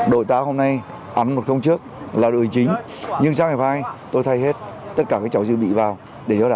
đội tá hôm nay án một không trước là đội chính nhưng sang hiệp hai tôi thay hết tất cả các cháu diễn bị vào để giấu đá